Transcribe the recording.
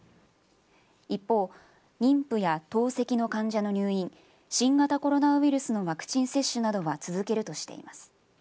一方、妊婦や透析の患者の入院新型コロナウイルスのワクチン接種などは続けるとしています。